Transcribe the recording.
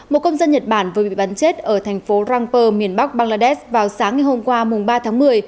một công dân nhật bản vừa bị bắn chết ở thành phố rangpur miền bắc bangladesh vào sáng ngày hôm qua ba tháng một mươi